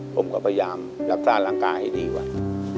ผมก็พยายามรักษาร่างกายให้ดีกว่า